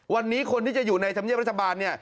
วันนี้คนที่จะอยู่ในธรรมเนียบรัฐบาลเนี่ย